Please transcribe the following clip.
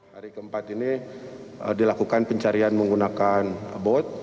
hari keempat ini dilakukan pencarian menggunakan bot